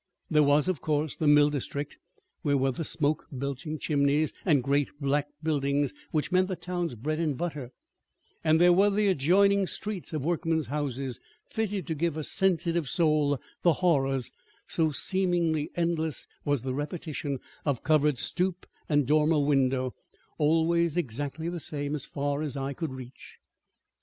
There was, of course, the mill district, where were the smoke belching chimneys and great black buildings that meant the town's bread and butter; and there were the adjoining streets of workmen's houses, fitted to give a sensitive soul the horrors, so seemingly endless was the repetition of covered stoop and dormer window, always exactly the same, as far as eye could reach.